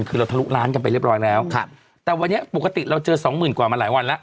คือเราทะลุล้านกันไปเรียบร้อยแล้วครับแต่วันนี้ปกติเราเจอสองหมื่นกว่ามาหลายวันแล้ว